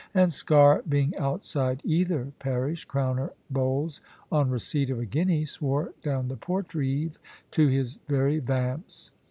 And Sker being outside either parish, Crowner Bowles, on receipt of a guinea, swore down the Portreeve to his very vamps.